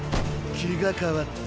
気が変わった。